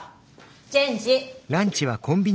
チェンジ。